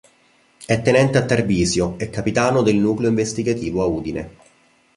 È tenente a Tarvisio e capitano del nucleo investigativo a Udine.